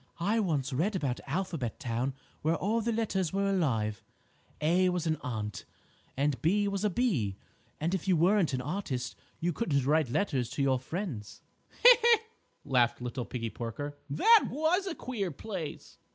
"I once read about Alphabet Town where all the letters were alive, 'A' was an Ant, and 'B' was a Bee, and if you weren't an artist you couldn't write letters to your friends." "He, he!" laughed little Piggie Porker, "that was a queer place."